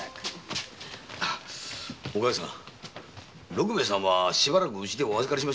六兵衛さんはしばらくお預かりしましょう。